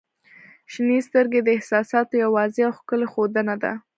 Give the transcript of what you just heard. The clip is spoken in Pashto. • شنې سترګې د احساساتو یوه واضح او ښکلی ښودنه ده.